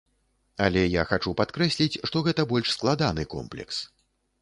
Але я хачу падкрэсліць, што гэта больш складаны комплекс.